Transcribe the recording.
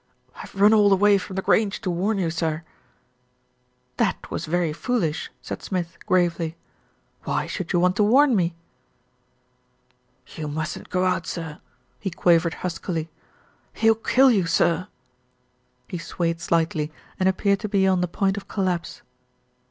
"I've run all the way from The Grange to warn you, sir." "That was very foolish," said Smith gravely. "Why should you want to warn me?" "You mustn't go out, sir," he quavered huskily. "He'll kill you, sir." He swayed slightly, and ap peared to be on the point of collapse.